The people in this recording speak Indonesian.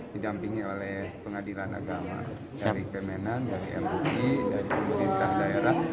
didampingi oleh pengadilan agama dari kemenan dari mui dari pemerintah daerah